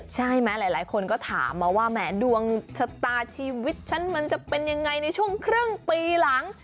หลายคนก็ถามมาว่าแหมดวงชะตาชีวิตฉันมันจะเป็นยังไงในช่วงครึ่งปีหลัง